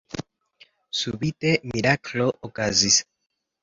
Subite miraklo okazis.